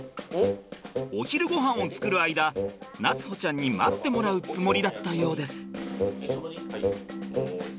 お昼ごはんを作る間夏歩ちゃんに待ってもらうつもりだったようです。